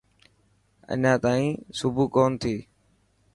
اڃان تائين صبح ڪونه ٿي.